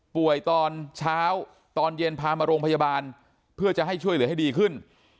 ตอนเช้าตอนเย็นพามาโรงพยาบาลเพื่อจะให้ช่วยเหลือให้ดีขึ้น